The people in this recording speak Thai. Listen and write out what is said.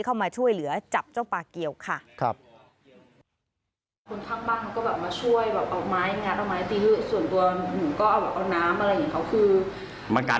บอกว่าเจมส์หยิบมีดมาอะไรอย่างนี้เขาก็เลยหยิบมีดมา